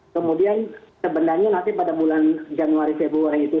kemudian sebenarnya nanti pada bulan januari februari itu